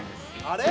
あれ？